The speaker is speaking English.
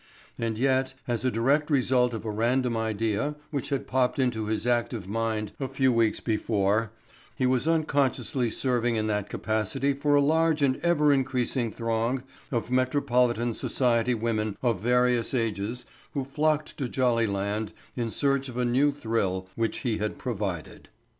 And yet, as a direct result of a random idea which had bobbed into his active mind a few weeks before, he was unconsciously serving in that capacity for a large and ever increasing throng of metropolitan society women of varying ages who flocked to Jollyland in search of a new thrill which he had provided.